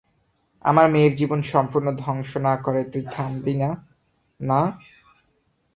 আমার মেয়ের জীবন সম্পূর্ণ ধ্বংস না করে তুই থামবি না, না?